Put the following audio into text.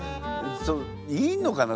いいのかな？